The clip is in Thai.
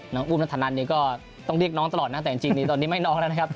อุ้มรัฐนันเนี่ยก็ต้องเรียกน้องตลอดนะแต่จริงตอนนี้ไม่น้องแล้วนะครับ